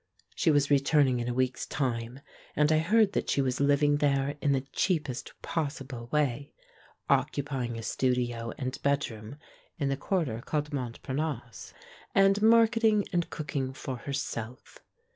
She was returning in a week's time, and I heard that she was living there in the cheapest possible way, occupying a studio and bedroom in the quarter called "Montparnasse," and market ing and cooking for herself.